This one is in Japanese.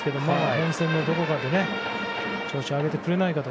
連戦のどこかで調子を上げてくれないかと。